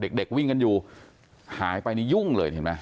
เด็กเด็กวิ่งกันอยู่หายไปนี่ยุ่งเลยเห็นไหม